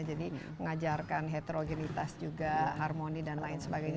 jadi mengajarkan heterogenitas juga harmoni dan lain sebagainya